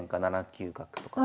７九角とか。